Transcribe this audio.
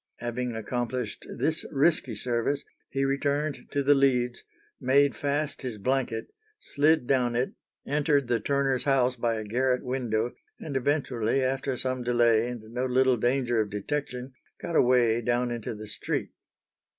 Having accomplished this risky service, he returned to the leads, made fast his blanket, slid down it, entered the turner's house by a garret window, and eventually, after some delay and no little danger of detection, got away down into the street.